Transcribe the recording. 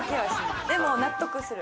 でも納得する？